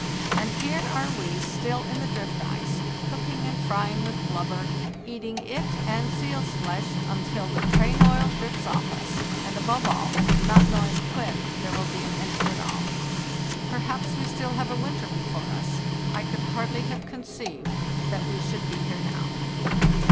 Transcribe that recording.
And here are we still in the drift ice; cooking and frying with blubber, eating it and seal's flesh until the train oil drips off us, and, above all, not knowing when there will be an end to it all. Perhaps we still have a winter before us. I could hardly have conceived that we should be here now!